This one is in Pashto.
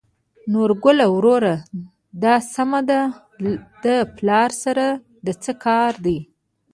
نورګله وروره د سمد له پلار سره د څه کار دى ؟